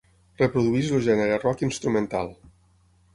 Reprodueix el gènere rock instrumental.